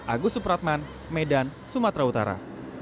agus supratman medan sumatera utara